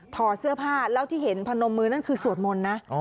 ถอดเสื้อผ้าแล้วที่เห็นพนมมือนั่นคือสวดมนต์นะ